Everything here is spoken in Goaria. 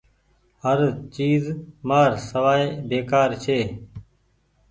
هر چئيز مآر سوائي بيڪآر ڇي۔